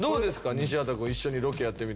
西畑くん一緒にロケやってみて。